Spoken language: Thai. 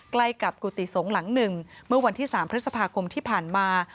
ใกล้กับกุฏิสงฆ์หลังหนึ่งเมื่อวันที่๓พฤษภาคมที่ผ่านมา